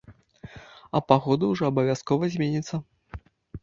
А пагода ўжо абавязкова зменіцца.